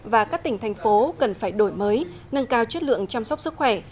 và các tỉnh thành phố cần phải đổi mới nâng cao chất lượng chăm sóc sức khỏe